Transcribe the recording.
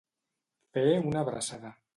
Fer una abraçada.